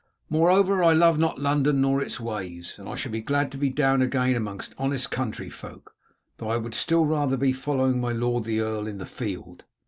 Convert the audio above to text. Moreover, I love not London nor its ways, and shall be glad to be down again among honest country folk, though I would still rather be following my lord the earl in the field."